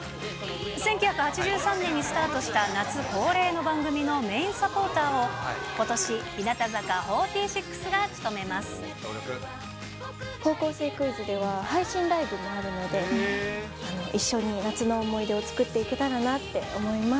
１９８３年にスタートした夏恒例の番組のメインサポーターを、高校生クイズでは、配信ライブもあるので、一緒に夏の思い出を作っていけたらなって思います。